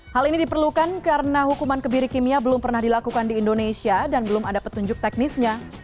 hal ini diperlukan karena hukuman kebiri kimia belum pernah dilakukan di indonesia dan belum ada petunjuk teknisnya